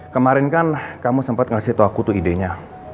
kemarin kan kamu sempet ngasih tau aku tuh idenya